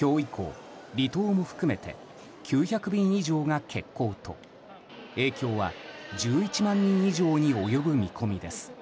今日以降、離島も含めて９００便以上が欠航と影響は１１万人以上に及ぶ見込みです。